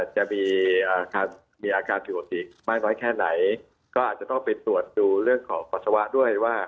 จะมีอาการผิดปกติมากน้อยแค่ไหนก็อาจจะต้องไปตรวจดูเรื่องของปัสสาวะด้วยว่า